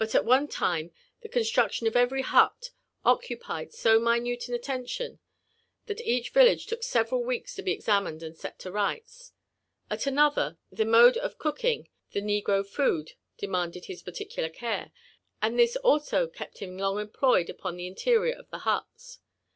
At one time the construction of every separate hut occupied so minute an attention, that each village took several weeks to be examined and set to rights; at another, the mode of cooking the negro food demanded his peculiar care5 «rand this also kept him long em^ ployed upon the interior of the huts.